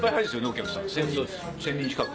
お客さん１０００人近く。